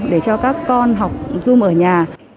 để cho các con học zoom ở nhà